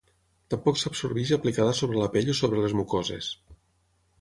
Tampoc s'absorbeix aplicada sobre la pell o sobre les mucoses.